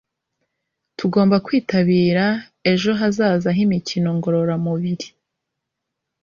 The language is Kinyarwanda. tugomba kwitabira ejo hazaza h'imikino ngororamubiri